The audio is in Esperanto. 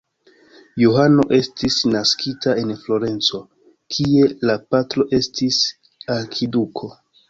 Johano estis naskita en Florenco, kie la patro estis arkiduko.